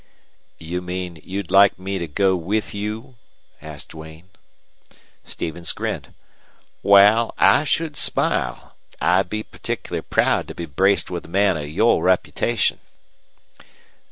"You mean you'd like me to go with you?" asked Duane. Stevens grinned. "Wal, I should smile. I'd be particular proud to be braced with a man of your reputation."